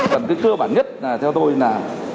phần thứ cơ bản nhất theo tôi là